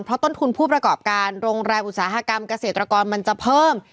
เพราะต้นทุนผู้ประกอบการโรงแรมอุตสาหกรรมเกษตรกรมันจะเพิ่ม